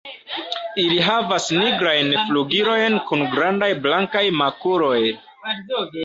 Ili havas nigrajn flugilojn kun grandaj blankaj makuloj.